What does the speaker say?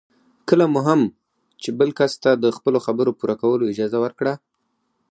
کله مو هم چې بل کس ته د خپلو خبرو پوره کولو اجازه ورکړه.